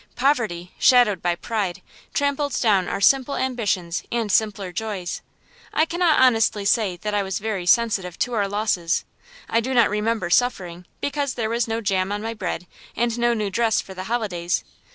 Poverty, shadowed by pride, trampled down our simple ambitions and simpler joys. I cannot honestly say that I was very sensitive to our losses. I do not remember suffering because there was no jam on my bread, and no new dress for the holidays.